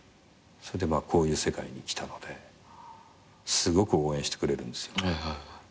それでまあこういう世界に来たのですごく応援してくれるんですよね。